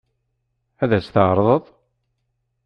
Ad as-t-teɛṛeḍ?